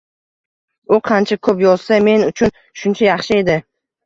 U qancha ko’p yozsa, men uchun shuncha yaxshi edi.